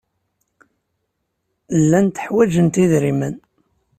Llant ḥwajent idrimen.